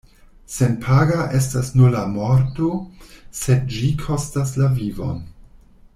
Senpaga estas nur la morto, sed ĝi kostas la vivon.